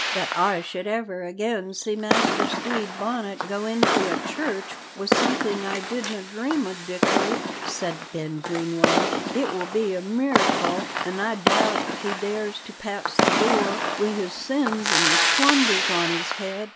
"That I should ever again see Master Stede Bonnet goin' into a church was something I didna dream o', Dickory," said Ben Greenway, "it will be a meeracle, an' I doubt if he dares to pass the door wi' his sins an' his plunders on his head."